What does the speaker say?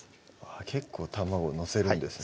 結構卵載せるんですね